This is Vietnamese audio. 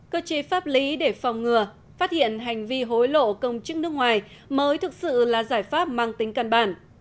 cơ chế pháp lý để phòng ngừa phát hiện hành vi hối lộ công chức nước ngoài mới thực sự là giải pháp mang tính căn bản